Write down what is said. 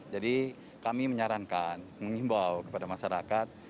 jadi kami menyarankan mengimbau kepada masyarakat